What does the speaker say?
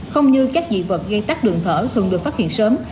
không như các dị vật gây tắt đường thở thường được phát hiện sớm